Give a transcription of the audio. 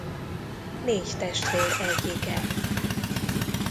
Négy testvér egyike.